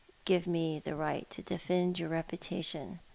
" Give mo the right to defend your reputation.